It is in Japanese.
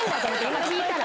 今聞いたら。